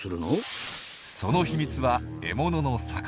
その秘密は獲物の魚。